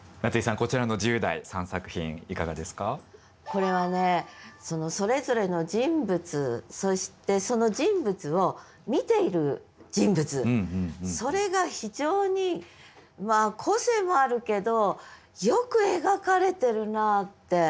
これはねそれぞれの人物そしてその人物を見ている人物それが非常にまあ個性もあるけどよく描かれてるなあって。